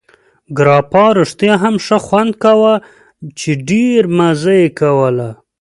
ګراپا رښتیا هم ښه خوند کاوه، چې ډېره مزه یې کوله.